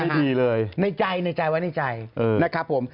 ดีเลยในใจในใจไว้ในใจนะครับผม